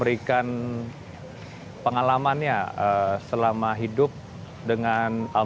jadi bin mengenal sosok almarhum via tieangg